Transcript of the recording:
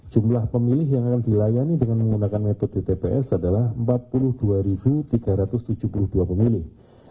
jumlah pemilih yang akan dilayani dengan menggunakan metode tps adalah empat puluh dua tiga ratus tujuh puluh dua pemilih